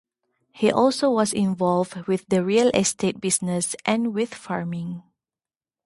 He also was involved with the real estate business and with farming.